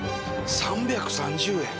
３３０円？